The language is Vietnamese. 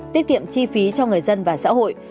tiết kiệm chi phí cho người dân và xã hội